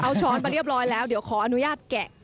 เอาช้อนมาเรียบร้อยแล้วเดี๋ยวขออนุญาตแกะ